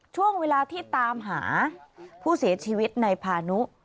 ช่วงเวลาที่ตามหาผู้เสียชีวิตในพานุ